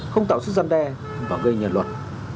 không tạo sức gian đe và gây nhạt luật